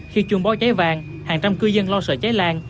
khi chuồng bó cháy vang hàng trăm cư dân lo sợ cháy lan